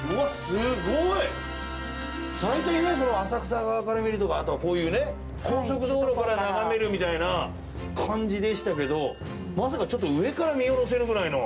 大体ね浅草側から見るとかあとはこういうね高速道路から眺めるみたいな感じでしたけどまさかちょっと上から見下ろせるぐらいの。